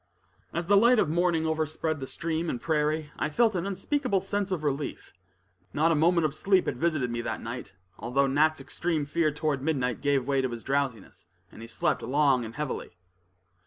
As the light of morning overspread the stream and prairie, I felt an unspeakable sense of relief. Not a moment of sleep had visited me that night, although Nat's extreme fear toward midnight gave way to his drowsiness, and he slept long and heavily.